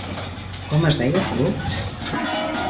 Com es deia el club?